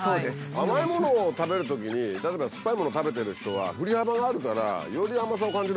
甘いものを食べるときに例えばすっぱいものを食べてる人は振り幅があるからより甘さを感じるわけじゃん。